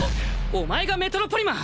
お前がメトロポリマン！？